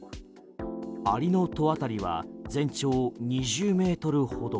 蟻の塔渡りは全長２０ｍほど。